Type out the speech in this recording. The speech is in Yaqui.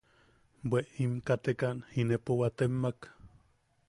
Bwe im katekan, inepo waatemmak.